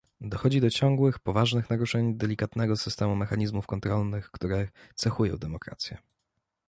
Dochodzi do ciągłych, poważnych naruszeń delikatnego systemu mechanizmów kontrolnych, które cechują demokrację